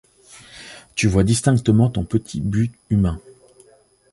Tu vois distinctement ton petit but humain ;